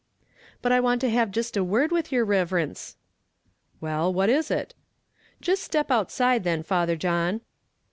"But I want to have jist a word with yer riverence." "Well, what is it?" "Jist step outside then, Father John."